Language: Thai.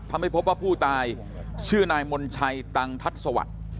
ทำให้พบว่าผู้ตายชื่อนายมนชัยตังทัศน์สวัสดิ์